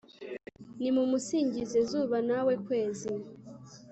nimumusingize, zuba nawe kwezi